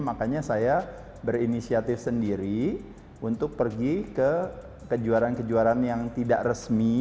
makanya saya berinisiatif sendiri untuk pergi ke kejuaraan kejuaraan yang tidak resmi